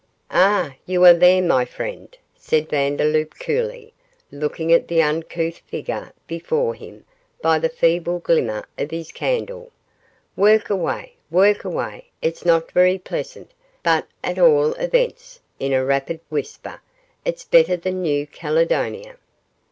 "Ah! you are there, my friend," said Vandeloup, coolly, looking at the uncouth figure before him by the feeble glimmer of his candle; "work away, work away; it's not very pleasant, but at all events," in a rapid whisper, "it's better than New Caledonia."